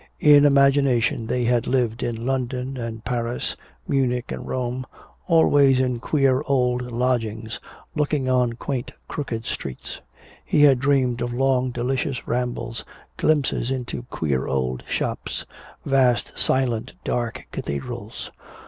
In imagination they had lived in London and Paris, Munich and Rome, always in queer old lodgings looking on quaint crooked streets. He had dreamed of long delicious rambles, glimpses into queer old shops, vast, silent, dark cathedrals.